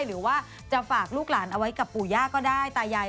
หรือว่าจะฝากลูกหลานเอาไว้กับปู่ย่าก็ได้ตายาย